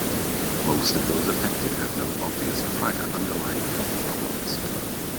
Most of those affected have no obvious prior underlying health problems.